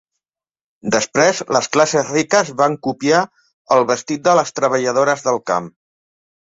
Després, les classes riques van copiar el vestit de les treballadores del camp.